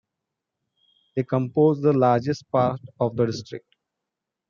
They compose the largest part of the district.